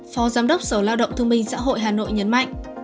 phó giám đốc sở lao động thương minh xã hội hà nội nhấn mạnh